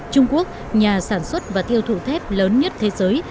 trung quốc nhà sản xuất và tiêu thụ thép lớn nhất thế giới